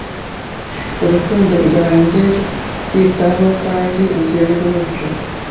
urukundo rwanjye no kwitaho Kandi uzenguruke